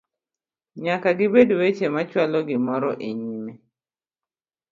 nyaka gibed weche machwalo gimoro e nyime